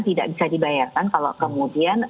tidak bisa dibayarkan kalau kemudian